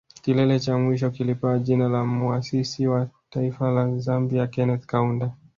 Kilele cha mwisho kilipewa jina la Muasisi wa Taifa la Zambia Kenneth Kaunda